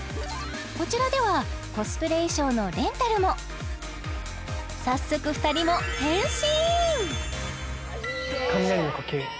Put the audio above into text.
こちらではコスプレ衣装のレンタルも早速２人も変身！